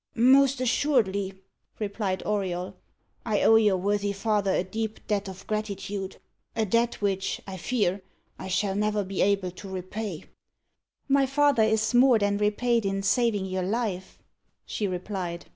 "Most assuredly," replied Auriol. "I owe your worthy father a deep debt of gratitude a debt which, I fear, I shall never be able to repay." "My father is more than repaid in saving your life," she replied.